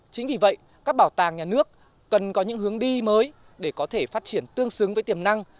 chính vì vậy các bảo tàng nhà nước cần có những hướng đi mới để có thể phát triển tương xứng với tiềm năng